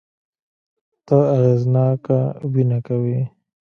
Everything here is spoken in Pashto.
ته اغېزناکه وينه کوې